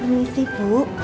ini sih bu